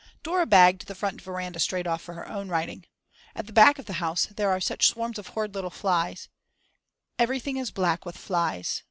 Dora bagged the front veranda straight off for her own writing. At the back of the house there are such swarms of horrid little flies; everything is black with flies.